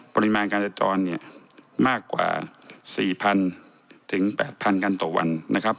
ปริมาณการจรมากกว่า๔๐๐๐๘๐๐๐คันต่อวันนะครับ